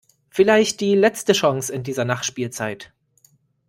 Vielleicht die letzte Chance in dieser Nachspielzeit.